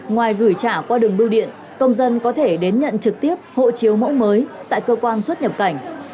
ngoài gửi trả qua đường bưu điện công dân có thể đến nhận trực tiếp hộ chiếu mẫu mới tại cơ quan xuất nhập cảnh